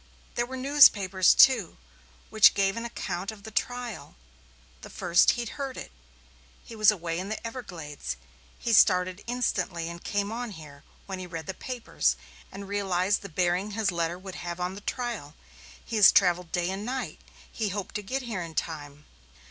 There were newspapers, too, which gave an account of the trial the first he'd heard of it he was away in the Everglades. He started instantly, and came on here when he had read the papers, and realized the bearing his letter would have on the trial. He has travelled day and night. He hoped to get here in time.